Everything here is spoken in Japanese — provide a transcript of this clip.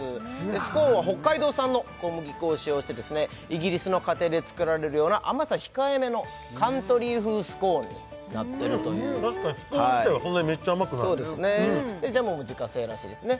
スコーンは北海道産の小麦粉を使用してイギリスの家庭で作られるような甘さ控えめのカントリー風スコーンになってるという確かにスコーン自体はそんなにメッチャ甘くないジャムも自家製らしいですね